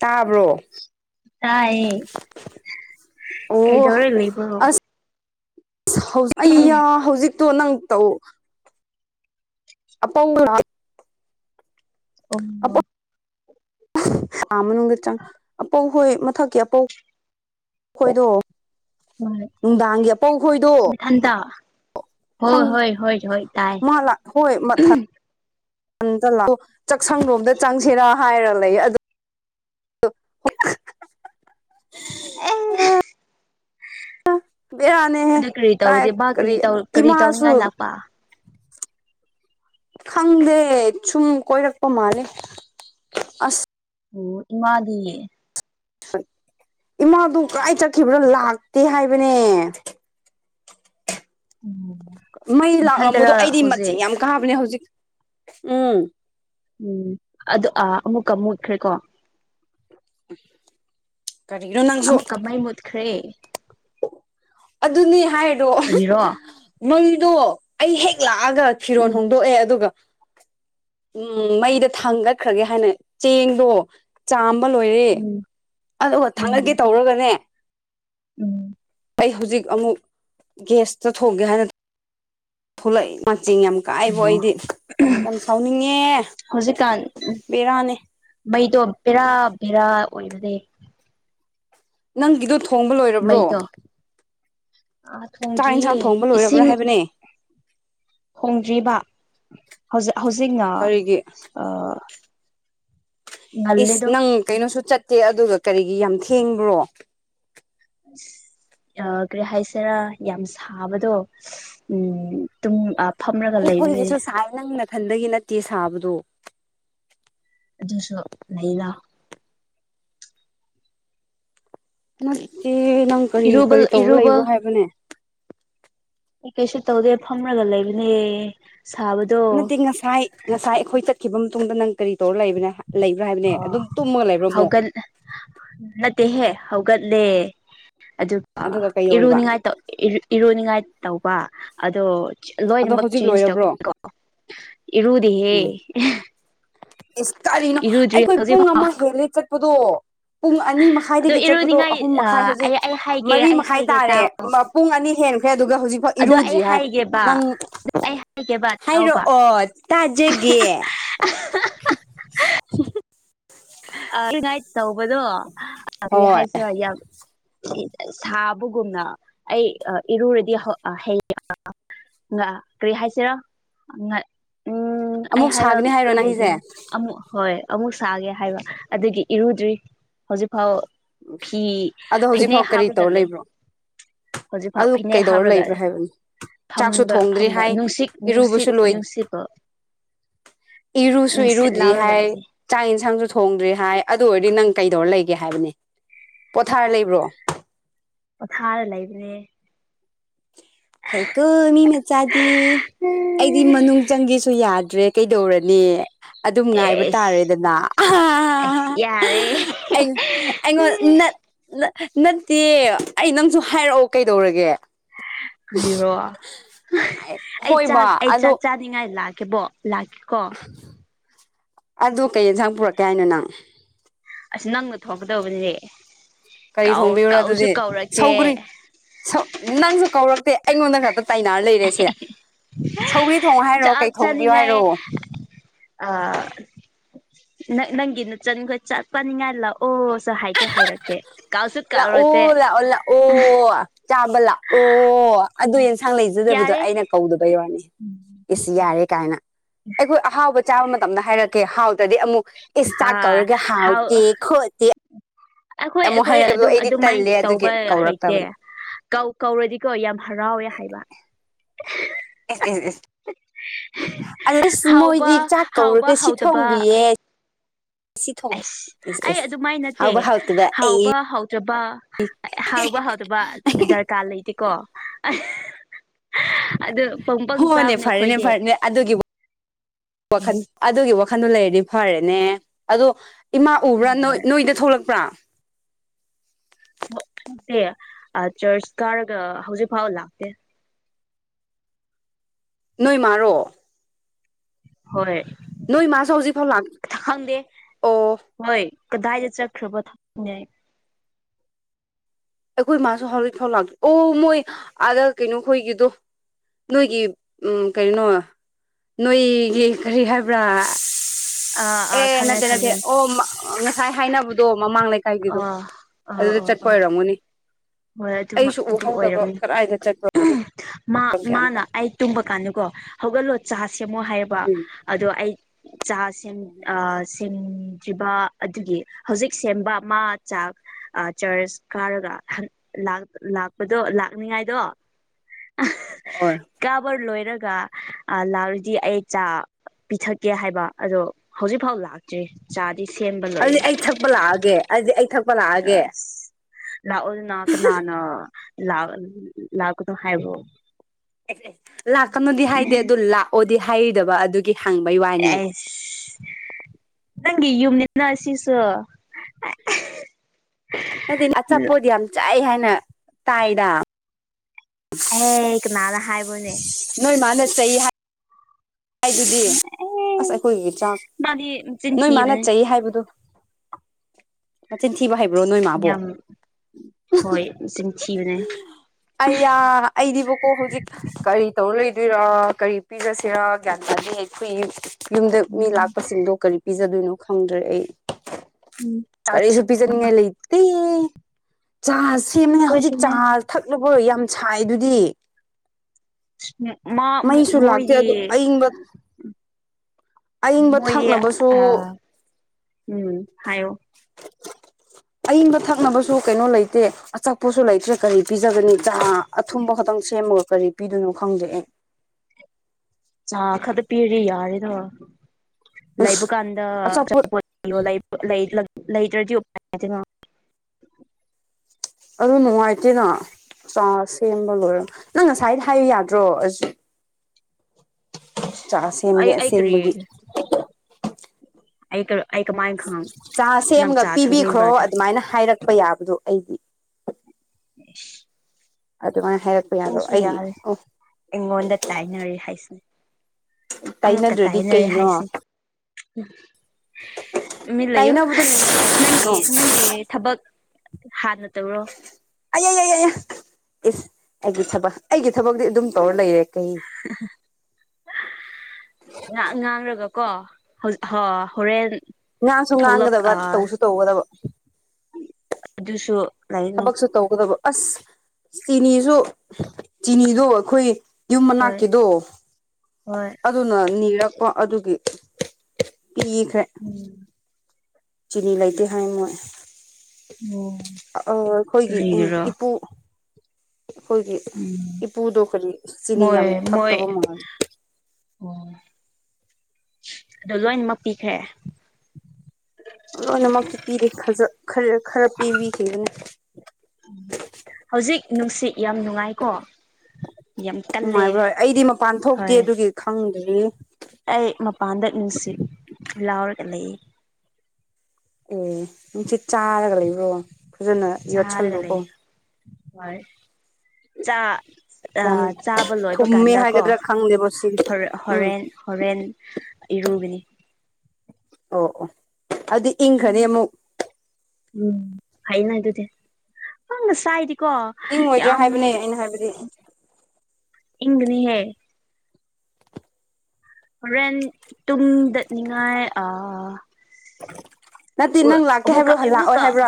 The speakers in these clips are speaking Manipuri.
ꯇꯥꯕ꯭ꯔꯣ ꯇꯥꯏ ꯑꯣ ꯀꯩꯗꯧꯔ ꯂꯣꯏꯕꯔꯣ [unintelligible] ꯑꯩꯌꯥ ꯍꯧꯖꯤꯛꯇꯣ ꯅꯪ ꯇꯧ [unintelligible] ꯑꯣ ꯥ ꯃꯅꯨꯡꯗ ꯆꯥꯡ ꯑꯄꯧ ꯍꯣꯏ ꯃꯊꯛꯀꯤ ꯑꯄꯧ ꯈꯣꯏꯗꯣ ꯅꯨꯡꯗꯥꯡꯒꯤ ꯑꯄꯧ ꯈꯣꯏꯗꯣ ꯈꯟꯊ ꯍꯣꯏ ꯈꯪ ꯍꯣꯏ ꯍꯣꯏ ꯍꯣꯏ ꯇꯥꯏ ꯃꯥ ꯑꯇ ꯂꯥꯛꯑꯣ ꯆꯥꯛꯁꯪ ꯂꯣꯝꯗ ꯆꯪꯁꯤꯔꯥ ꯍꯥꯏꯔ ꯂꯩ ꯑ [unintelligible] ꯑꯗꯨ ꯀꯔꯤ ꯀꯥꯏ ꯇꯧꯗꯦ ꯕꯥ ꯀꯔꯤ ꯀꯔꯤ ꯏꯃꯥꯁꯨ ꯇꯧꯅꯤꯡꯉꯥꯏ ꯂꯥꯛꯄ ꯈꯪꯗꯦ ꯁꯨꯝ ꯀꯣꯏꯔꯛꯄ ꯃꯥꯂꯦ ꯑꯁ ꯑꯣ ꯏꯃꯥꯗꯤꯌꯦ ꯏꯃꯥꯗꯨ ꯀꯗꯥꯥꯏ ꯆꯠꯈꯤꯕꯅꯣ ꯂꯥꯛꯇꯦ ꯍꯥꯏꯕꯅꯦ ꯎꯝ ꯃꯩ ꯂꯥꯛꯂꯝꯕꯗꯣ ꯑꯩꯗꯤ ꯃꯁꯤꯡ ꯌꯥꯝ ꯀꯥꯕꯅꯦ ꯍꯧꯖꯤꯛ ꯎꯝ ꯎꯝ ꯑꯗꯨ ꯑꯥ ꯑꯃꯨꯛꯀ ꯑꯃꯨꯛ ꯎꯠꯈ꯭ꯔꯦꯀꯣ [unintelligible] ꯀꯔꯣꯅ ꯑꯃꯨꯛ ꯀꯃꯥꯏ ꯃꯨꯠꯈ꯭ꯔꯦ ꯑꯗꯨꯅꯦ ꯍꯥꯏꯗꯣ ꯀꯔꯤꯔꯣ ꯃꯪꯗꯣ ꯑꯩ ꯍꯦꯛ ꯂꯥꯛꯑꯒ ꯐꯤꯔꯣꯜ ꯎꯝ ꯍꯣꯡꯗꯣꯛꯑꯦ ꯑꯗꯨꯒ ꯎꯝ ꯃꯩꯗ ꯊꯥꯡꯒꯠꯈ꯭ꯔꯒꯦ ꯍꯥꯏꯅ ꯆꯦꯡꯗꯣ ꯆꯥꯝꯕ ꯂꯣꯏꯔꯦ ꯎꯝ ꯑꯗꯨꯒ ꯎꯝ ꯊꯥꯡꯒꯠꯀꯦ ꯇꯧꯔꯒꯅꯦ ꯎꯝ ꯑꯩ ꯍꯧꯖꯤꯛ ꯑꯃꯨꯛ ꯒ꯭ꯌꯥꯁꯇ ꯊꯣꯛꯒꯦ ꯍꯥꯏꯅ ꯊꯣꯛꯂꯛꯑꯏ ꯆ ꯌꯥꯝ ꯀꯥꯏꯕ ꯑꯣ ꯑꯩꯗꯤ ꯌꯥꯝ ꯁꯥꯎꯅꯤꯡꯉꯦ ꯍꯧꯖꯤꯛꯀꯥꯟ ꯕꯕꯤꯔꯥꯅꯤ ꯃꯩꯗꯣ ꯕꯦꯔꯥ ꯕꯦꯔꯥ ꯑꯣꯏꯕꯅꯦ ꯅꯪꯒꯤꯗꯣ ꯊꯣꯡꯕ ꯂꯣꯏꯔꯕ꯭ꯔꯣ ꯑꯥ ꯆꯥꯛ ꯌꯦꯟꯁꯥꯡ ꯊꯣꯡꯗ꯭ꯔꯤꯌꯦ ꯊꯣꯡꯕ ꯂꯣꯏꯔꯕ꯭ꯔꯥ ꯏꯁꯤꯡ ꯍꯥꯏꯕꯅꯦ ꯍꯣꯡꯗ꯭ꯔꯤꯕ ꯍꯧꯖꯤ ꯍꯧꯖꯤꯛꯅ ꯀꯔꯤꯒꯤ ꯏꯁ ꯉꯜꯂꯤꯗꯣ ꯅꯪ ꯀꯩꯅꯣꯁꯨ ꯆꯠꯇꯦ ꯑꯗꯨꯒ ꯀꯔꯤꯒꯤ ꯌꯥꯝ ꯊꯦꯡꯕ꯭ꯔꯣ ꯀꯔꯤ ꯍꯥꯏꯁꯦꯔꯥ ꯌꯥꯝ ꯁꯥꯕꯗꯣ ꯎꯝ ꯇꯨꯡ ꯐꯝꯂꯒ ꯂꯩꯕꯅꯤ [unintelligible] ꯃꯊꯟꯗꯒꯤ ꯅꯠꯇꯦ ꯁꯥꯕꯗꯣ ꯑꯗꯨꯨꯁꯨ ꯂꯩꯩꯂ ꯅꯗꯤ ꯅꯪ ꯀꯔꯤ ꯏꯔꯨꯕ ꯀꯔꯤ ꯇꯧꯔ ꯏꯔꯨꯕ ꯂꯩꯕ꯭ꯔꯣ ꯍꯥꯏꯕꯅꯦ ꯑꯩ ꯀꯩꯁꯨ ꯇꯧꯗꯦ ꯐꯝꯂꯒ ꯂꯩꯕꯅꯦꯍ ꯁꯥꯕꯗ ꯅꯠꯇꯦ ꯉꯁꯥꯏ ꯉꯁꯥꯏ ꯑꯩꯈꯣꯏ ꯆꯠꯈꯤꯕ ꯃꯇꯨꯡꯗ ꯅꯪ ꯀꯔꯤ ꯇꯧꯔ ꯂꯩꯕꯅꯦ ꯂꯩꯕ꯭ꯔꯥ ꯍꯥꯏꯕꯅꯦ ꯑꯥ ꯑꯗꯨꯝ ꯇꯨꯝꯃꯒ ꯂꯩꯕ꯭ꯔꯣꯃꯣ ꯍꯧꯒꯠ ꯅꯠꯇꯦꯍꯦ ꯍꯧꯒꯠꯂꯦ ꯑꯗꯨ ꯑ ꯑꯗꯨꯒ ꯀꯩꯗꯧꯔꯤꯕ ꯏꯔꯨꯅꯤꯡꯉꯥꯏꯧ ꯏꯔꯨꯅꯤꯡꯉꯥꯏ ꯇꯧꯕ ꯑꯗꯣ ꯑꯗꯣ ꯂꯣꯏꯅꯃꯛ ꯍꯧꯖꯤꯛ ꯆꯦꯟꯖ ꯂꯣꯏꯔꯕ꯭ꯔꯣ [inaudible] ꯀꯣ ꯏꯔꯨꯗꯦꯍꯦ ꯎꯝ ꯏꯁ ꯀꯔꯤꯅꯣ ꯑꯩꯈꯣꯏ ꯍꯧꯖꯤꯛ ꯄꯨꯡ ꯑꯃ ꯍꯦꯜꯂꯦ ꯆꯠꯄꯗꯣ ꯄꯨꯡ ꯑꯅꯤ ꯑꯗꯣ ꯃꯈꯥꯏꯗꯒꯤ ꯆꯠꯄꯗꯣ ꯏꯔꯨꯅꯤꯡꯉꯥꯏ ꯑꯍꯨꯝ ꯃꯈꯥꯏ ꯍꯧꯖꯤꯛ ꯑꯩ ꯑꯩ ꯍꯥꯏꯒꯦ ꯃꯔꯤ ꯑꯩ ꯃꯈꯥꯏ ꯍꯥꯏꯒꯦ ꯇꯥꯔꯦ ꯇꯥꯎ ꯄꯨꯡ ꯑꯅꯤ ꯍꯦꯟꯈ꯭ꯔꯦ ꯑꯗꯨꯒ ꯍꯧꯖꯤꯛꯐꯥꯎ ꯑꯗꯣ ꯑꯩ ꯏꯔꯨꯗ꯭ꯔꯤ ꯍꯥꯏ ꯍꯥꯏꯒꯦꯕ ꯅꯪ ꯑꯩ ꯍꯥꯏꯒꯦꯕ ꯇꯥꯎꯕ ꯍꯥꯏꯔꯛꯑꯣ ꯇꯥꯖꯒꯦ [inaudible] ꯇꯧꯕꯗꯣ [inaudible] ꯍꯣꯏ ꯍꯥꯏꯁꯤꯔ ꯌꯥꯝ [unintelligible] ꯁꯥꯕꯒꯨꯝꯅ ꯑꯩ ꯏꯔꯨꯔꯗꯤ [unintelligible] ꯉ ꯀꯔꯤ ꯍꯥꯏꯁꯤꯔꯣ ꯎꯝ ꯑꯩ ꯑꯃꯨꯛ ꯍꯥꯏꯕ ꯁꯥꯒꯅꯤ ꯍꯥꯏꯔꯣ ꯅꯪꯒꯤꯁꯦ ꯍꯥꯏꯗꯅꯦ ꯑꯃꯨꯛ ꯍꯣꯏ ꯑꯃꯨꯛ ꯁꯥꯒꯦ ꯍꯥꯏꯕ ꯑꯗꯨꯒꯤ ꯏꯔꯨꯗ꯭ꯔꯤ ꯍꯧꯖꯤꯛꯐꯥꯎ ꯐꯤ ꯑꯗꯣ ꯐꯦꯅꯦ ꯍꯧꯖꯤꯛꯐꯥꯎ ꯀꯔꯤ ꯍꯥꯥꯕꯔꯒꯂ ꯇꯧꯔ ꯂꯩ ꯂꯩꯕ꯭ꯔꯣ ꯍꯧꯖꯤꯛꯐꯥꯎ ꯑꯗꯨ ꯐꯤꯅꯩ ꯀꯩꯗꯧꯔ ꯍꯥꯞꯔꯒ ꯂꯩꯕ꯭ꯔꯥ ꯍꯥꯏꯕꯅꯤ ꯆꯥꯛꯁꯨ ꯐꯝꯕ ꯊꯣꯡꯗ꯭ꯔꯤ ꯐꯝꯕ ꯍꯥꯏ ꯅꯨꯡꯁꯤꯠ ꯨꯁꯤ ꯏꯔꯨꯕꯁꯨ ꯂꯣꯏ ꯌꯁꯤꯄꯣ ꯏꯔꯨꯁꯨ ꯏꯔꯨꯗ꯭ꯔꯤ ꯍꯥꯏ ꯂꯩꯌꯦ ꯆꯥꯛ ꯌꯦꯟꯁꯥꯡꯁꯨ ꯊꯣꯡꯗ꯭ꯔꯤ ꯍꯥꯏ ꯑꯗꯨ ꯑꯣꯏꯔꯗꯤ ꯅꯪ ꯀꯩꯗꯧꯔ ꯂꯩꯒꯦ ꯍꯥꯏꯕꯅꯤ ꯄꯣꯊꯥꯔ ꯂꯩꯕ꯭ꯔꯣ ꯄꯣꯊꯥꯔ ꯂꯩꯕꯅꯦ ꯐꯩꯀꯣ ꯃꯤ ꯃꯆꯥꯗꯤ ꯑꯩꯗꯤ ꯃꯅꯨꯡ ꯆꯪꯒꯦꯁꯨ ꯌꯥꯗ꯭ꯔꯦ ꯀꯩꯗꯧꯔꯅꯤ ꯑꯗꯨꯝ ꯉꯥꯏꯕ ꯑꯦꯁ ꯇꯥꯔꯦꯗꯅ ꯑꯩꯁ ꯌꯥꯔꯦ ꯑꯩꯉꯣꯟ ꯅꯠꯇꯦ ꯑꯩ ꯅꯪꯁꯨ ꯍꯥꯏꯔꯛꯑꯣ ꯀꯩꯗꯧꯔꯒꯦ ꯀꯔꯤꯔꯣ ꯑꯩ ꯍꯣꯏꯕ ꯆꯥꯛ ꯑꯩ ꯑꯗꯣ ꯆꯥꯛ ꯆꯥ ꯍꯥꯏꯅꯤꯡꯉꯥꯏ ꯂꯥꯛꯀꯦꯕꯣ ꯂꯥꯛꯀꯦ ꯀꯣ ꯑꯗꯨ ꯀꯩ ꯌꯦꯟꯖꯥꯡ ꯄꯨꯔꯛꯀꯦ ꯍꯥꯏꯅꯣ ꯅꯪ ꯑꯁ ꯅꯪꯅ ꯊꯣꯛꯀꯗꯧꯕꯅꯤꯅꯦ ꯀꯔꯤ ꯊꯣꯡꯕꯤꯔꯣ ꯑꯗꯨꯗꯤ ꯁꯧꯈ꯭ꯔꯤ ꯅꯪꯁꯨ ꯀꯧꯔꯛꯇꯦ ꯑꯩꯉꯣꯟꯗ ꯈꯛꯇ ꯇꯥꯏꯅꯥꯔ ꯂꯩꯔꯦ ꯁꯤꯦ ꯁꯧ꯭ꯔꯤ ꯊꯣꯡ ꯍꯥꯏꯔꯣ ꯆꯥꯛ ꯀꯩ ꯊꯣꯡꯕꯤꯌꯨ ꯆꯥꯅꯤꯡꯉꯥꯏ ꯍꯥꯏꯔꯣ ꯑ ꯅ ꯅꯪꯒꯤ ꯅꯆꯟꯈꯣꯏ ꯆꯠꯄꯅꯤꯉꯥꯏ ꯂꯥꯛꯑꯣꯁꯨ ꯍꯥꯏ ꯁꯨ ꯍꯥꯏꯩꯔꯛꯇꯦ ꯀꯥꯎꯁꯨ ꯀꯥꯎꯔꯗꯦ ꯑꯣ ꯆꯥꯕ ꯂꯥꯛꯑꯣ ꯑꯗꯨ ꯌꯦꯟꯁꯥꯡ ꯂꯩꯖꯗꯕꯗꯣ ꯌꯥꯔꯦ ꯑꯩꯅ ꯀꯧꯗꯕꯩ ꯋꯥꯅꯤ ꯏꯁ ꯌꯥꯔꯦ ꯀꯥꯏꯅ ꯑꯩꯈꯣꯏ ꯑꯍꯥꯎꯕ ꯆꯥꯕ ꯃꯇꯝꯗ ꯍꯥꯏꯔꯛꯀꯦ ꯍꯥꯎꯗꯗꯤ ꯑꯃꯨꯛ ꯍꯥ ꯏꯁꯀꯋꯥꯔꯒ ꯍꯥꯎ ꯍꯥꯎꯇ ꯈꯣꯇꯤ ꯑꯩꯈꯣꯏ ꯑꯩꯈꯣꯏ ꯑꯗꯨꯝ ꯑꯗꯨꯃꯥꯏꯅ ꯇꯜꯂꯦ ꯑꯗꯨꯒꯤ ꯇꯧꯕ ꯍꯩꯇꯦ ꯀꯧꯔꯛꯇꯕꯅꯤ ꯀꯧ ꯀꯧꯔꯗꯤꯀꯣ ꯌꯥꯝ ꯍꯔꯥꯎꯋꯦ ꯍꯥꯏꯕ [unintelligible] ꯃꯣꯏꯗꯤ ꯍꯥꯎꯕ ꯆꯥꯛ ꯍꯥꯎꯕ ꯀꯧꯔꯒ ꯁꯤ ꯍꯥꯎꯇꯕ ꯊꯣꯡꯕꯤꯌꯦ ꯁꯤ ꯑꯁ ꯑꯩ [unintelligible] ꯑꯗꯨꯃꯥꯏ ꯍꯥꯎꯕ ꯅꯠꯇꯦ ꯍꯥꯎꯇꯕ ꯑꯦ [unintelligible] ꯍꯥꯎꯕ ꯍꯥꯎꯗꯕ ꯗꯔꯀꯥꯔ ꯂꯩꯇꯦꯀꯣ ꯑꯗꯨ ꯄꯪ ꯄꯪ ꯍꯣꯏꯅꯦ ꯆꯥꯕꯅꯦ ꯐꯔꯦꯅꯦ ꯑꯩꯈꯣꯏꯗꯤ ꯐꯔꯦꯅꯦ ꯑꯗꯨꯒꯤ ꯋꯥꯈꯜ ꯑꯗꯨꯒꯤ ꯋꯥꯈꯟꯗꯣ ꯂꯩꯔꯅꯤ ꯐꯔꯦꯅꯦ ꯑꯗꯣ ꯏꯃꯥ ꯎꯕ꯭ꯔꯥ ꯅ ꯅꯣꯏꯗ ꯊꯣꯛꯂꯛꯄ꯭ꯔꯥ ꯅꯠꯇꯦ ꯑ ꯆꯥ꯭ꯔꯖ ꯀꯥꯔꯒ ꯍꯧꯖꯤꯛ ꯐꯥꯎ ꯂꯥꯛꯇꯦ ꯅꯣꯏ ꯃꯥꯔꯣ ꯍꯣꯏ ꯅꯣꯏꯃꯥꯁꯨ ꯍꯧꯖꯤꯛꯐꯥꯎ ꯂꯥꯛ ꯈꯪꯗꯦ ꯑꯣ ꯍꯣꯏ ꯀꯗꯥꯏꯗ ꯆꯠꯈ꯭ꯔꯕ ꯈꯪꯗꯦ ꯑꯩꯈꯣꯏ ꯃꯥꯁꯨ ꯍꯧꯖꯤꯛ ꯐꯥꯎ ꯂꯥꯛꯇꯦ ꯑꯣ ꯃꯣꯏ ꯑꯥꯗ ꯀꯩꯅꯣ ꯈꯣꯏꯒꯤꯗꯣ ꯅꯣꯏꯒꯤ ꯎꯝ ꯀꯩꯅꯣ ꯅꯣꯏꯒꯤ ꯀꯥꯔꯤ ꯍꯥꯏꯕ꯭ꯔꯥ ꯑꯥ ꯑꯥ ꯑꯦ ꯈꯪꯉꯦ ꯅꯠꯇꯦ ꯅꯠꯇꯦ ꯈꯪꯉꯦ ꯑꯣ ꯉꯁꯥꯏ ꯍꯥꯏꯅꯕꯗꯣ ꯃꯃꯥꯡ ꯂꯩꯀꯥꯏꯒꯤꯗꯣ ꯑꯥ ꯑꯥ ꯑꯗꯨꯗ ꯑꯥ ꯆꯠꯄ ꯑꯥ ꯑꯣꯏꯔꯝꯒꯨꯅꯤ ꯍꯣꯏ ꯑꯗꯨꯃꯛ ꯑꯩꯁꯨ ꯑꯗꯨ ꯎꯍꯧꯗꯕꯣ ꯑꯣꯏꯔꯝꯅꯤ ꯀꯗꯥꯏꯗ ꯆꯠꯄꯣ ꯃꯥ ꯃꯥꯅ ꯑꯩ ꯇꯨꯝꯕꯀꯥꯟꯗꯀꯣ ꯍꯧꯒꯠꯂꯣ ꯆꯥ ꯁꯦꯝꯃꯣ ꯍꯥꯏꯌꯦꯕ ꯎꯝ ꯑꯗꯣ ꯑꯩ ꯆꯥ ꯁꯦꯝ ꯑ ꯁꯦꯝꯗ꯭ꯔꯤꯕ ꯑꯗꯨꯒꯤ ꯍꯧꯖꯤꯛ ꯁꯦꯝꯕꯥ ꯃꯥ ꯆꯥꯛ ꯆꯥ꯭ꯔꯖ ꯀꯥꯔꯒ ꯂꯥꯛꯄꯗꯣ ꯂꯥꯛꯅꯤꯡꯉꯥꯏꯗꯣ ꯑꯣ ꯀꯥꯕ ꯂꯣꯏꯔꯒ ꯂꯥꯛꯔꯤꯗꯤ ꯑꯩ ꯆꯥ ꯄꯤꯊꯛꯀꯦ ꯍꯥꯏꯕ ꯑꯗꯣ ꯍꯧꯖꯤꯛꯐꯥꯎ ꯂꯥꯛꯇ꯭ꯔꯤ ꯆꯥꯗꯤ ꯁꯦꯝꯕ ꯂꯣꯏꯌꯦꯦ ꯊꯛꯄꯥ ꯂꯥꯛꯑꯒꯦ ꯑꯗꯨꯗꯤ ꯑꯩ ꯊꯛꯄ ꯂꯥꯛ ꯑꯁ [unintelligible] ꯂꯥꯛꯑꯣꯅꯥꯀꯅꯥꯅ ꯂꯥꯛꯑꯣ ꯂꯥꯛꯀꯗꯣ ꯍꯥꯏꯕ ꯑꯦ ꯂꯥꯛꯀꯅꯨꯗꯤ ꯍꯥꯏꯗꯦ ꯑꯗꯨ ꯂꯥꯛꯑꯣꯗꯤ ꯍꯥꯏꯔꯨꯗꯕ ꯑꯗꯨꯒꯤ ꯍꯪꯕꯩ ꯋꯥꯅꯦ ꯅꯪꯒꯤ ꯌꯨꯝꯅꯤꯅ ꯑꯁꯤꯁꯨ ꯅꯠꯇ ꯑꯆꯥꯄꯣꯠꯗꯤ ꯌꯥꯝ ꯆꯥꯏ ꯍꯥꯏꯅ ꯇꯥꯏꯗ ꯑꯦ ꯀꯅꯥꯔꯥ ꯅꯣꯏ ꯃꯥꯅ ꯆ ꯍꯥꯏ ꯍꯥꯏ ꯗꯨꯗꯤ ꯑꯦ ꯑꯁ ꯑꯩꯈꯣꯏꯒꯤ ꯆꯥꯛ ꯃꯥꯗꯤ ꯃꯆꯤꯟ ꯅꯣꯏ ꯊꯤꯕꯅꯦ ꯃꯥꯅ ꯆꯩꯩꯌꯦ ꯍꯥꯏꯕꯗꯣ ꯃꯥꯆꯤꯟ ꯊꯤꯕ ꯍꯩꯕ꯭ꯔꯣ ꯅꯣꯏ ꯃꯥꯕꯨ ꯌꯥꯝ ꯍꯣꯏ ꯃꯆꯤꯟ ꯊꯤꯕꯅꯦ ꯑꯩꯌꯥ ꯑꯩꯗꯤꯕꯨꯀꯣ ꯍꯧꯖꯤꯛ ꯀꯔꯤ ꯇꯧꯔ ꯂꯩꯗꯣꯏꯔꯥ ꯀꯔꯤ ꯄꯤꯔꯁꯤꯔꯥ ꯒ꯭ꯌꯥꯟ ꯇꯥꯅꯤ ꯑꯩꯈꯣꯏ ꯌꯨꯝꯗꯥ ꯃꯤ ꯎꯝ ꯂꯥꯛꯄꯁꯤꯡꯗꯣ ꯀꯥꯔꯤ ꯄꯤꯖꯥꯗꯣꯏꯅꯣ ꯈꯪꯗ꯭ꯔꯦ ꯑꯩ ꯎꯝ ꯆꯥꯁꯤ ꯀꯥꯔꯤꯁꯨ ꯄꯤꯖꯥꯅꯤꯡꯉꯥꯏ ꯂꯩꯇꯦ ꯆꯥ ꯁꯦꯝꯃꯤꯅꯦ ꯍꯧꯖꯤꯛ ꯆꯥ ꯑꯩꯈꯣꯏꯁꯨꯅꯦ ꯊꯛꯂꯕꯣ ꯌꯥꯝ ꯁꯥꯏ ꯑꯗꯨꯗꯤ ꯃꯥ ꯃꯩꯁꯨ ꯂꯥꯛꯇꯦ ꯃꯣꯏꯒꯤ ꯑꯗꯨ ꯑꯏꯪꯕ ꯑꯏꯪꯕ ꯃꯣꯏꯗꯤ ꯊꯛꯅꯕꯁꯨ ꯑ ꯎꯝ ꯍꯥꯏꯌꯣ [inaudible] ꯑꯏꯪꯕ ꯊꯛꯅꯕꯁꯨ ꯀꯩꯅꯣ ꯂꯩꯇꯦ ꯑꯆꯥꯄꯣꯁꯨ ꯂꯩꯇ꯭ꯔꯦ ꯀꯔꯤ ꯄꯤꯖꯒꯅꯤ ꯆꯥ ꯑꯊꯨꯝꯕ ꯈꯛꯇꯪ ꯁꯦꯝꯃꯥꯒ ꯀꯥꯔꯤ ꯄꯤꯗꯣꯏꯅꯣ ꯈꯪꯗꯦ ꯑꯩ ꯆꯥ ꯈꯛꯇ ꯄꯤꯔꯥꯗꯤ ꯌꯥꯔꯦꯗ ꯂꯩꯕ ꯀꯥꯟꯗ ꯑꯆꯥꯄꯣꯠ ꯣ ꯂꯩꯇ꯭ꯔꯗꯤ ꯎꯄꯥꯏꯣ [unintelligible] ꯑꯗꯨ ꯅꯨꯡꯉꯥꯏꯇꯦꯅ ꯁꯦꯝꯕ ꯂꯣꯏꯔꯣ ꯅꯪ ꯉꯁꯥꯏꯗ ꯍꯥꯏꯕ ꯌꯥꯗ꯭ꯔꯣ ꯆꯥ ꯑꯩ ꯁꯦꯝꯒꯦ ꯑꯩ ꯀꯔꯤ ꯁꯦꯝꯦꯡꯕꯒꯤ ꯑꯩ ꯃꯥ ꯆꯥ ꯁꯦꯝꯃꯥꯒ ꯄꯤꯕꯤꯈ꯭ꯔꯣ ꯊꯛ ꯑꯗꯨꯃꯥꯏꯅ ꯍꯥꯏꯔꯛꯄ ꯌꯥꯕꯗꯣ ꯑꯩꯗꯤ [unintelligible] [inaudible] ꯑꯗꯨꯃꯥꯏꯅ ꯍꯥꯏꯔꯛ ꯅꯪꯁꯨ ꯌꯥꯔꯦ ꯑꯩꯉꯣꯟꯗ ꯇꯥꯏꯅꯥꯔꯦ ꯍꯥꯏꯁꯤꯅꯦ ꯑꯃꯨꯛꯇ ꯇꯥꯏꯅꯗ꯭ꯔꯗꯤ ꯇꯥꯏꯅꯔꯦ ꯀꯩꯅꯣ ꯍꯥꯏꯁꯤ ꯃꯤꯜꯂꯌꯨ ꯇꯥꯏꯅꯕꯗꯨ ꯀꯩꯅꯣ ꯅꯪꯒꯤ ꯅꯪꯒꯤ ꯊꯕꯛ ꯍꯥꯟꯅ ꯇꯧꯔꯣ ꯑꯩꯒꯤ ꯊꯕꯛ ꯑꯩꯒꯤ ꯊꯕꯛꯇꯤ ꯑꯗꯨꯝ ꯇꯧꯔꯥ ꯂꯩꯔꯦ ꯀꯩ [unintelligible] ꯉ ꯉꯥꯡꯔꯒ ꯀꯣ ꯍ ꯍꯣꯔꯦꯟ ꯉꯥꯡꯁꯨ ꯊꯣꯛꯂꯛ ꯉꯥꯡꯒꯗꯕ ꯑ ꯇꯧꯁꯨ ꯇꯧꯒꯗꯕ ꯑꯗꯨꯁꯨ ꯂꯩꯅ ꯊꯕꯛꯁꯨ ꯇꯧꯒꯗꯕ ꯑꯁ ꯆꯤꯅꯤꯁꯨ ꯆꯤꯅꯤꯗꯣ ꯑꯩꯈꯣꯏ ꯌꯨꯝ ꯍꯣꯏ ꯃꯅꯥꯛꯀꯤꯗꯣ ꯍꯣꯏ ꯑꯗꯨꯅ ꯅꯤꯔꯛꯄ ꯑꯗꯨꯒꯤ ꯄꯤꯈ꯭ꯔꯦ ꯎꯝ ꯆꯤꯅꯤ ꯂꯩꯇꯦ ꯍꯥꯏ ꯃꯣꯏ ꯑꯣ ꯑ ꯑꯩꯈꯣꯏꯒꯤ ꯎꯝ ꯀꯔꯤꯒꯤꯔꯣ ꯏꯄꯨ ꯑꯩꯈꯣꯏꯒꯤ ꯎꯝ ꯏꯄꯨꯗꯣ ꯀꯔꯤ ꯆꯤꯅꯤ ꯃꯣꯏ ꯌꯥꯝ ꯃꯣꯏ ꯊꯛꯇꯕ ꯃꯥꯜ ꯑꯣ ꯑꯗꯣ ꯂꯣꯏꯅꯃꯛ ꯄꯤꯈ꯭ꯔꯦ ꯂꯣꯏꯅꯃꯛꯇꯤ ꯄꯤꯔꯤ ꯈꯔ ꯈꯔ ꯄꯤꯕꯤꯈꯤꯕꯗꯨꯅꯦ ꯎ ꯍꯧꯖꯤꯛ ꯅꯨꯡꯁꯤꯠ ꯌꯥꯝ ꯅꯨꯡꯉꯥꯏꯀꯣ ꯌꯥꯝ ꯀꯜꯂꯦ ꯅꯨꯡꯉꯥꯏꯕ꯭ꯔꯣ ꯑꯩꯗꯤ ꯃꯄꯥꯟ ꯊꯣꯛꯇꯦ ꯍꯣꯏ ꯑꯗꯨꯒꯤ ꯈꯪꯗ꯭ꯔꯦ ꯑꯩ ꯃꯄꯥꯟꯗ ꯅꯨꯡꯁꯤꯠ ꯂꯥꯎꯔꯒ ꯂꯩ ꯑꯦ ꯅꯨꯡꯁꯤꯤꯠ ꯆꯥꯔꯒ ꯂꯩꯕ꯭ꯔꯣ ꯐꯖꯅ ꯆꯥꯔꯒ ꯌꯣꯠꯁꯜꯂꯣꯀꯣ ꯂꯩ ꯍ ꯆꯥ ꯑ ꯌꯥꯝ ꯆꯥꯕ ꯂꯣꯏꯕ ꯊꯨꯝꯃꯦ ꯀꯥꯟꯗ ꯀꯣ ꯍꯥꯏꯒꯗ꯭ꯔꯥ ꯈꯪꯗꯦꯕ ꯁꯤꯒꯤꯁꯦ ꯍꯣꯔꯦꯟ ꯎꯝ ꯍꯣꯔꯦꯟ ꯍꯣꯔꯦꯟ ꯏꯔꯨꯒꯅꯤ ꯑꯣ ꯑꯣ ꯑꯗꯨꯗꯤ ꯎꯝ ꯏꯪꯈ꯭ꯔꯅꯤ ꯑꯃꯨꯛ ꯎꯝ ꯐꯩꯅ ꯑꯗꯨꯗꯤ ꯑ ꯉꯁꯥꯏꯗꯤꯀꯣ ꯏꯪꯉꯣꯏꯗ꯭ꯔꯥ ꯌꯥꯝ ꯍꯥꯏꯕꯅꯦ ꯑꯩꯅ ꯍꯥꯏꯕꯗꯤ ꯏꯪꯒꯥꯅꯤ ꯍꯦ ꯍꯣꯔꯦꯟ ꯇꯨꯡꯗꯥꯅꯤꯡꯉꯥꯏ ꯑꯥ ꯅꯠꯇꯦ ꯅꯪ ꯂꯥꯛꯀꯦ ꯑꯃꯨꯛꯀ ꯍꯥꯏꯕ꯭ꯔꯣ ꯂꯥꯛꯑꯣ ꯑꯃꯨꯛꯀ ꯍꯥꯏꯕ꯭ꯔꯣ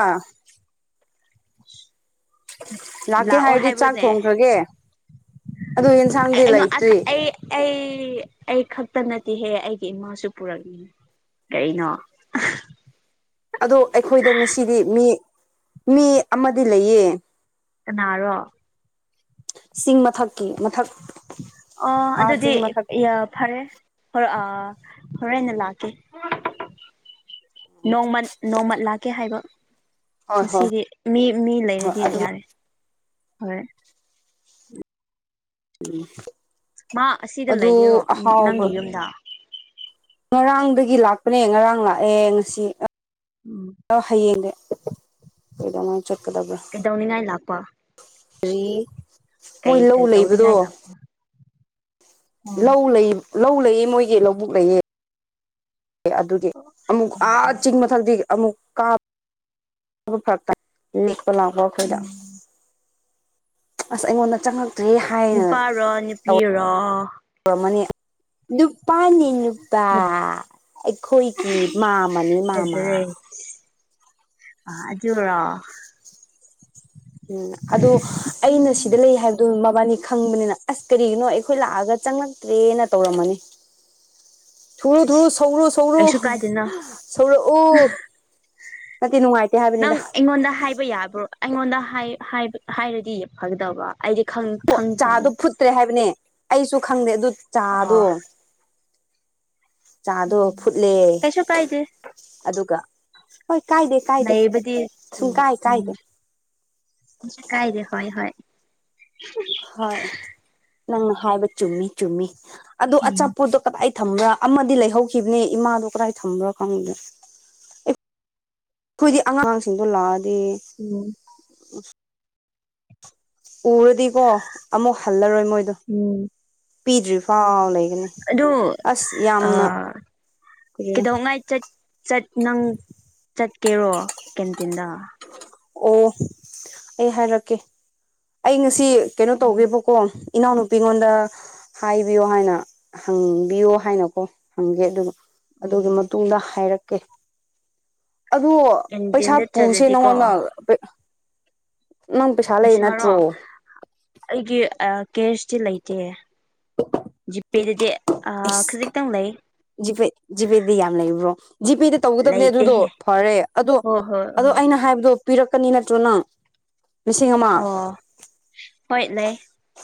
[unintelligible] ꯂꯥꯛꯀꯦ ꯂꯥꯛꯑꯣ ꯍꯥꯏꯔꯗꯤ ꯆꯥꯛ ꯍꯥꯏꯕ꯭ꯔꯅꯦ ꯊꯣꯡꯈ꯭ꯔꯥꯒꯦ ꯑꯗꯨ ꯏꯟ ꯑꯩ ꯑꯩ ꯑꯩ ꯈꯛꯇ ꯅꯠꯇꯦꯍꯦ ꯑꯩꯒꯤ ꯏꯃꯥꯁꯨ ꯄꯨꯔꯛꯅꯤ ꯀꯩꯅꯣ ꯑꯗꯣ ꯑꯩꯈꯣꯏꯗ ꯉꯥꯁꯤꯗꯤ ꯃꯤ ꯃꯤ ꯑꯃꯗꯤ ꯂꯩꯌꯦ ꯀꯅꯥꯔꯣ ꯆꯤꯡ ꯃꯊꯛꯀꯤ ꯃꯊꯛ ꯑꯣ ꯑꯥ ꯑꯗꯨꯗꯤ ꯆꯤꯡ ꯃꯊꯛꯀꯤ ꯌꯥꯝ ꯐꯔꯦ ꯑ ꯍꯣꯔꯦꯟꯅ ꯂꯥꯛꯀꯦ ꯅꯣꯡꯃꯥ ꯅꯣꯡꯃꯥ ꯂꯥꯛꯀꯦ ꯍꯥꯏꯕ ꯍꯣꯏ ꯍꯣꯏ ꯉꯁꯤꯗꯤ ꯃꯤ ꯃꯤ ꯍꯣꯏ ꯂꯩꯔꯗꯤ ꯑꯗꯨ ꯌꯥꯔꯦ ꯍꯣꯏ ꯎꯝ ꯃꯥ ꯑꯁꯤꯗ ꯂꯩꯒꯦꯔꯣ ꯑꯍꯥꯎꯕ ꯅꯪꯒꯤ ꯌꯨꯝꯗ ꯉꯔꯥꯡꯗꯒꯤ ꯂꯥꯛꯄꯥꯅꯦ ꯉꯔꯥꯡ ꯂꯥꯛꯑꯦ ꯉꯥꯁꯤ ꯎꯝ ꯍꯌꯦꯡꯅꯦ ꯀꯩꯗꯧꯉꯩ ꯆꯠꯀꯗꯕ꯭ꯔꯥ ꯀꯩꯗꯧꯅꯤꯡꯉꯥꯏ ꯂꯥꯛꯄ ꯀ꯭ꯔꯤ ꯀꯩ ꯃꯣꯏ ꯂꯧ ꯀꯩ ꯂꯩꯕꯥꯗꯣ ꯇꯧꯅꯤꯡꯉꯥꯏ ꯂꯥꯛꯄ ꯑꯣ ꯂꯧ ꯂꯩ ꯂꯧ ꯂꯩꯌꯦ ꯃꯣꯏꯒꯤ ꯂꯧꯕꯨꯛ ꯂꯩꯌꯦ ꯑꯗꯨꯒꯤ ꯑꯃꯨꯛ ꯑꯣ ꯑꯥ ꯑꯣ ꯆꯤꯡ [unintelligible] ꯑꯃꯨꯛ ꯀꯥꯕ ꯐꯔꯛ ꯇꯥꯏ ꯂꯦꯛꯄ ꯂꯥꯛꯄ ꯑꯩꯈꯣꯏꯗ ꯎꯝ ꯑꯁ ꯑꯩꯉꯣꯟꯗ ꯆꯪꯉꯛꯇ꯭ꯔꯤ ꯅꯨꯄꯥꯔꯣ ꯅꯨꯄꯤꯔꯣ ꯇꯧꯔꯝꯃꯥꯅꯤ ꯅꯨꯄꯥꯅꯦ ꯅꯨ ꯏꯇꯥ ꯑꯩꯈꯣꯏꯒꯤ ꯃꯥꯝꯃꯥꯅꯦ ꯃꯥꯝꯃꯥ ꯐꯖꯔꯦ ꯑ ꯑꯗꯨꯔꯣ ꯎꯝ ꯑꯗꯣ ꯑꯩꯅ ꯁꯤꯗ ꯂꯩ ꯍꯥꯏꯕꯗꯣ ꯃꯕꯥꯅꯤ ꯈꯪꯕꯅꯤꯅ ꯑꯁ ꯀꯔꯤꯒꯤꯅꯣ ꯑꯩꯈꯣꯏ ꯂꯥꯛꯑꯒ ꯆꯪꯂꯛꯇ꯭ꯔꯦꯅ ꯇꯧꯔꯝꯃꯅꯤ ꯊꯨꯔꯣ ꯊꯨꯔꯣ ꯁꯧꯔꯣꯁꯧꯔꯣ ꯀꯩꯁꯨ ꯀꯥꯏꯗꯦꯅ ꯁꯧꯔꯛꯑꯣ ꯅꯠꯇꯦ ꯅꯨꯡꯉꯥꯏꯇꯦ ꯍꯥꯏꯕ ꯅꯪ ꯑꯩꯉꯣꯟꯗ ꯍꯥꯏꯕ ꯌꯥꯕ꯭ꯔꯣ ꯑꯩꯉꯣꯟꯗ ꯍꯥꯏ ꯍꯥꯏ ꯍꯥꯏꯔꯗꯤ ꯐꯒꯗꯕ ꯑꯩꯗꯤ ꯈꯪ ꯆꯥꯗꯣ ꯐꯨꯠꯇ꯭ꯔꯦ ꯍꯥꯏꯕꯅꯦ ꯑꯩꯁꯨ ꯈꯪꯗꯦ ꯑꯗꯨ ꯆꯥꯗꯣ ꯑꯣ ꯆꯥꯗꯣ ꯐꯨꯠꯂꯦ ꯀꯩꯁꯨ ꯀꯥꯏꯗꯦ ꯑꯗꯨꯒ ꯍꯣꯏ ꯀꯥꯏꯗꯦ ꯀꯥꯏꯗꯦ ꯂꯩꯕꯗꯤ ꯎꯝ ꯁꯨꯡꯀꯥꯏ ꯎꯝ ꯀꯥꯏꯗꯦ ꯀꯩꯁꯨ ꯀꯥꯏꯗꯦ ꯍꯣꯏ ꯍꯣꯏ ꯍꯣꯏ ꯅꯪꯅ ꯍꯥꯏꯕ ꯆꯨꯝꯃꯤ ꯆꯨꯝꯃꯤ ꯑꯗꯣ ꯎꯝ ꯑꯆꯥꯄꯣꯠꯇꯣ ꯀꯗꯥꯏ ꯊꯝꯕ꯭ꯔꯥ ꯑꯃꯗꯤ ꯂꯩꯍꯧꯈꯤꯝꯅꯤ ꯏꯃꯥꯗꯣ ꯀꯗꯥꯏ ꯊꯝꯕ꯭ꯔꯥ ꯈꯪꯗꯦ ꯈꯣꯏꯗꯤ ꯑꯉꯥꯡꯁꯤꯡꯗꯣ ꯂꯥꯛꯑꯗꯤ ꯎꯝ ꯎꯔꯗꯤꯀꯣ ꯑꯃꯨꯛ ꯍꯜꯂꯔꯣꯏ ꯃꯣꯏꯗꯣ ꯎꯝ ꯄꯤꯗ꯭ꯔꯤꯐꯥꯎ ꯂꯩꯒꯅꯤ ꯑꯗꯨ ꯑꯁ ꯌꯥꯝꯅ ꯀꯔꯤꯔ ꯀꯤꯗꯧꯉꯩ ꯆꯠ ꯆꯠ ꯅꯪ ꯆꯠꯀꯦꯔꯣ ꯀꯦꯟꯇꯤꯟꯗ ꯑꯣ ꯑꯩ ꯍꯥꯏꯔꯛꯀꯦ ꯑꯩ ꯉꯁꯤ ꯀꯩꯅꯣ ꯎꯝ ꯇꯧꯒꯦꯕ ꯀꯣ ꯏꯅꯥꯎꯅꯨꯄꯤꯉꯣꯟꯗ ꯍꯥꯏꯕꯤꯌꯣ ꯍꯥꯏꯅ ꯍꯪꯕꯤꯌꯣ ꯍꯥꯏꯅꯀꯣ ꯍꯪꯒꯦ ꯑꯗꯨꯒ ꯎꯝ ꯑꯗꯨꯒꯤ ꯃꯇꯨꯡꯗ ꯍꯥꯏꯔꯛꯀꯦ꯫ ꯑꯗ ꯄꯩꯁꯥ ꯀꯦꯟꯇꯤꯟꯗ ꯄꯨꯁꯦ ꯆꯠꯂꯗꯤꯀꯣ ꯅꯪꯉꯣꯟꯗ ꯅꯪ ꯄꯩꯁꯥ ꯂꯩ ꯄꯩꯁꯥꯔꯣ ꯅꯠꯇ꯭ꯔꯣ ꯑꯩꯒꯤ ꯑ ꯀꯦꯁꯇꯤ ꯂꯩꯇꯦ꯫ ꯄꯤꯗꯗꯤ ꯑꯦꯁ ꯈꯖꯤꯛꯇꯪ ꯂꯩꯌꯦ꯫ ꯖꯤꯄꯦ ꯖꯤꯄꯦꯗꯗꯤ ꯌꯥꯝ ꯂꯩꯕ꯭ꯔꯣ ꯖꯤꯄꯦꯗ ꯇꯧꯒꯗꯕꯅꯦ ꯑꯗꯨꯗꯣ ꯂꯩꯇꯦꯍꯦ ꯐꯔꯦ ꯑꯗꯣ ꯍꯣꯏ ꯍꯣꯏ ꯑꯗꯣ ꯍꯣꯏ ꯑꯩꯅ ꯍꯥꯏꯕꯗꯣ ꯄꯤꯔꯛꯀꯅꯤ ꯅꯠꯇ꯭ꯔꯣ ꯅꯪ ꯍꯥ ꯑꯣ ꯍꯣꯏ ꯂꯩ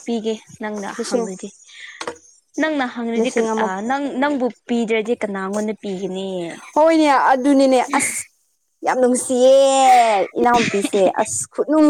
ꯄꯤꯒꯦ ꯅꯪꯅ ꯂꯤꯁꯤꯡ ꯍꯡꯒꯗꯤ ꯫ ꯅꯪꯅ ꯍꯪꯔꯤꯖꯦ ꯂꯤꯁꯤꯡ ꯑꯃ ꯅꯪ ꯅꯪꯕꯨ ꯄꯤꯗ꯭ꯔꯗꯤ ꯀꯅꯥꯉꯣꯟꯗ ꯄꯤꯒꯅꯤ꯫ ꯍꯣꯏꯅꯦ ꯑꯗꯨꯅꯤꯅꯦ ꯑꯁ ꯌꯥꯝ ꯅꯨꯡꯁꯤꯌꯦ ꯏꯅꯥꯎꯄꯤꯁꯦ ꯑꯁ ꯈꯨꯠꯅꯨꯡ